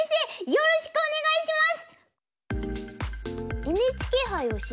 よろしくお願いします！